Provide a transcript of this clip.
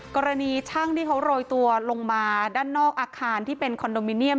กระทั่งที่เขาโรยตัวลงมาด้านนอกอาคารที่เป็นคอนโดมิเนียม